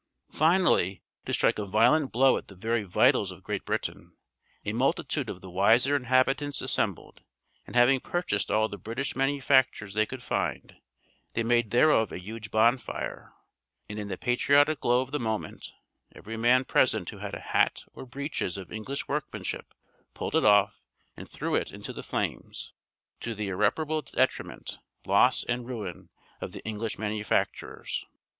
Finally, to strike a violent blow at the very vitals of Great Britain, a multitude of the wiser inhabitants assembled, and having purchased all the British manufactures they could find, they made thereof a huge bonfire, and in the patriotic glow of the moment, every man present who had a hat or breeches of English workmanship pulled it off, and threw it into the flames, to the irreparable detriment, loss and ruin of the English manufacturers!